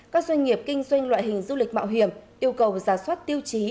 các doanh nghiệp kinh doanh loại hình du lịch mạo hiểm yêu cầu giả soát tiêu chí